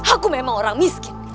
aku memang orang miskin